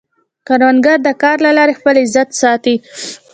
کروندګر د کار له لارې خپل عزت ساتي